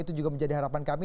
itu juga menjadi harapan kami